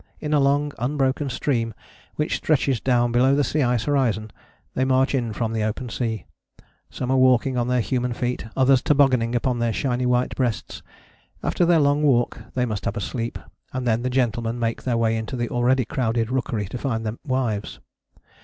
In a long unbroken stream, which stretches down below the sea ice horizon, they march in from the open sea. Some are walking on their human feet: others tobogganing upon their shiny white breasts. After their long walk they must have a sleep, and then the gentlemen make their way into the already crowded rookery to find them wives.